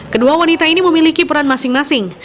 kedua wanita ini memiliki peran masing masing